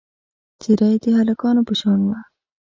څېره یې د هلکانو په شان وه.